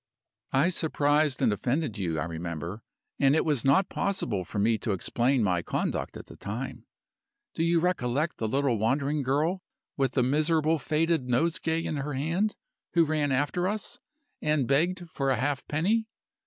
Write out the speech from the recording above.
"I surprised and offended you, I remember; and it was not possible for me to explain my conduct at the time. Do you recollect the little wandering girl, with the miserable faded nosegay in her hand, who ran after us, and begged for a half penny?